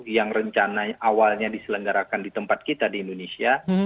yang rencana awalnya diselenggarakan di tempat kita di indonesia